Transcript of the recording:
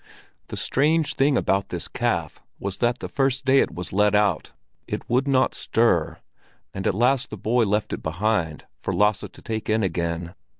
The strange thing about this calf was that the first day it was let out, it would not stir, and at last the boy left it behind for Lasse to take in again.